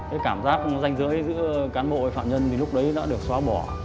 cái cảm giác danh dưới giữa cán bộ và phạm nhân thì lúc đấy đã được xóa bỏ